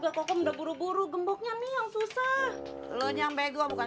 kalau pesannya bang ramadi masih dimasak